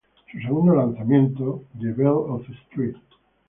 Su segundo lanzamiento "The Belle of St.